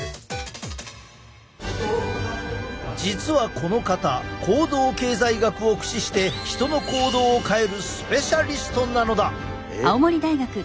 実はこの方行動経済学を駆使して人の行動を変えるスペシャリストなのだ。